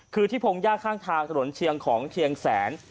คือที่พงหญ้าข้างทางถนนเชียงของเชียงแสน